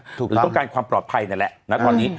หรือต้องการความปลอดภัยนั่นแหละนะตอนนี้